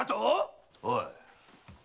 おい。